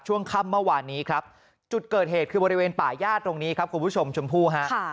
ช่วงค่ำเมื่อวานนี้ครับจุดเกิดเหตุคือบริเวณป่าย่าตรงนี้ครับคุณผู้ชมชมพู่ฮะ